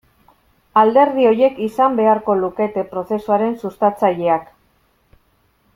Alderdi horiek izan beharko lukete prozesuaren sustatzaileak.